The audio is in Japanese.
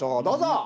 どうぞ。